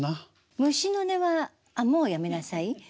「虫の音」はあっもうやめなさい？